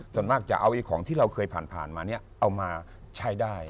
ส่วนมากจะเอาของที่เราเคยผ่านมาเนี่ยเอามาใช้ได้